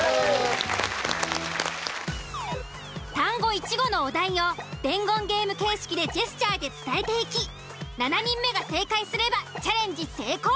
単語一語のお題を伝言ゲーム形式でジェスチャーで伝えていき７人目が正解すればチャレンジ成功。